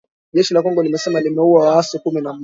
Jeshi la Kongo linasema limeua waasi kumi na mmoja